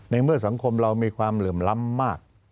เมื่อสังคมเรามีความเหลื่อมล้ำมาก